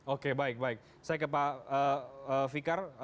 oke baik baik saya ke pak fikar